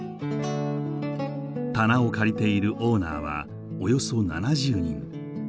棚を借りているオーナーはおよそ７０人。